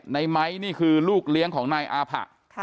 ในไม้นี่คือลูกเลี้ยงของนายอาผะ